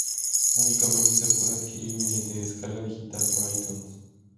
Únicamente se puede adquirir mediante descarga digital por iTunes.